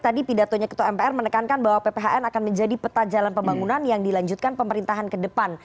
tadi pidatonya ketua mpr menekankan bahwa pphn akan menjadi peta jalan pembangunan yang dilanjutkan pemerintahan ke depan